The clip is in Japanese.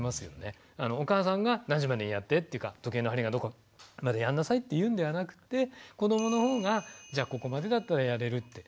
お母さんが何時までにやってっていうか時計の針がどこまでにやんなさいって言うんではなくて子どものほうがじゃあここまでだったらやれるって。